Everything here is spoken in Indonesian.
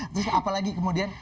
terus apa lagi kemudian